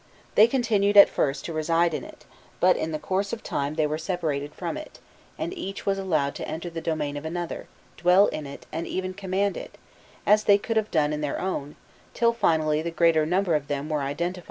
* They continued at first to reside in it, but in the course of time they were separated from it, and each was allowed to enter the domain of another, dwell in it, and even command it, as they could have done in their own, till finally the greater number of them were identified with the firmament.